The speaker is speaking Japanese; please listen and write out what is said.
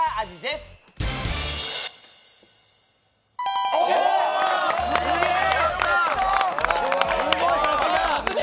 すげえ！